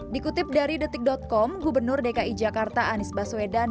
dikutip dari detik com gubernur dki jakarta anies baswedan